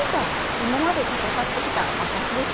今まで闘ってきた証しでしょ？」